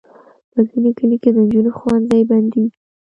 په ځینو کلیو کې د انجونو ښوونځي بندېږي.